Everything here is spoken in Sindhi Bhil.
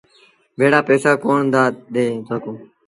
ڀيڙآ پئيٚسآ ڪونا دآ ڏي سگھون۔